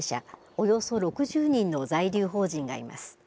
およそ６０人の在留邦人がいます。